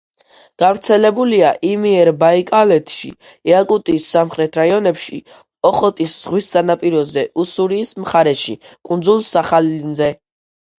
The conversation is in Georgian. გავრცელებულია იმიერბაიკალეთში, იაკუტიის სამხრეთ რაიონებში, ოხოტის ზღვის სანაპიროზე, უსურიის მხარეში, კუნძულ სახალინზე.